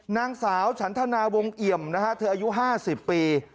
นางสาวฉันธนาวงเกี่ยมอายุ๕๐ปี